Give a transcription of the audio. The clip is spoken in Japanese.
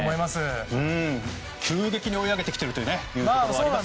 急激に追い上げてきているところもあります。